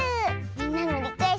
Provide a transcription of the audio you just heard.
みんなのリクエストをだ